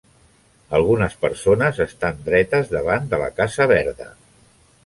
Algunes persones estan dretes davant de la casa verda.